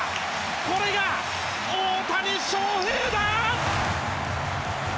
これが大谷翔平だ！